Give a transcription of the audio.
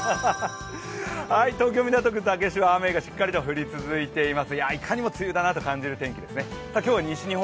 東京・港区竹芝、雨がしっかりと降り続いています。